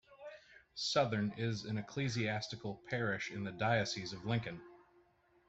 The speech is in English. Scothern is an ecclesiastical parish in the Diocese of Lincoln.